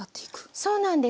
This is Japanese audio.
そうなんです。